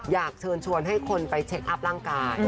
อยากเชิญชวนให้คนไปเช็คอัพร่างกาย